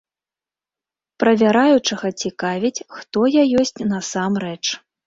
Правяраючага цікавіць, хто я ёсць насамрэч.